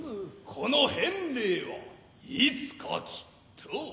この返礼はいつかきっと。